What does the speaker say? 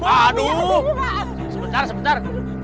aduh sebentar sebentar